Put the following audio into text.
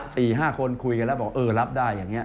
สี่ห้าคนคุยกันแล้วบอกเออรับได้อย่างนี้